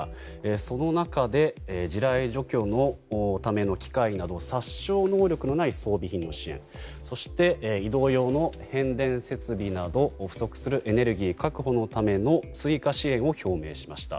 その中で地雷除去のための機械など殺傷能力のない装備品の支援そして移動用の変電設備など不足するエネルギー確保のための追加支援を表明しました。